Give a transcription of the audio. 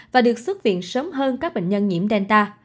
và được xuất viện sớm hơn các bệnh nhân nhiễm delta